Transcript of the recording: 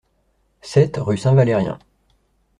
sept rue Saint-Valérien